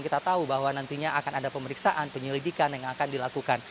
kita tahu bahwa nantinya akan ada pemeriksaan penyelidikan yang akan dilakukan